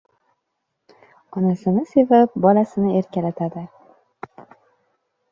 • Onasini sevib, bolasini erkalatadi.